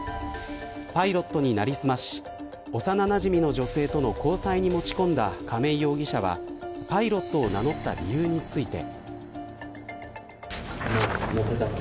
パイロットに成り済まし幼なじみの女性との交際にもち込んだ亀井容疑者はパイロットを名乗った理由について。